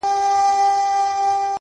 پر منبر مي اورېدلي ستا نطقونه!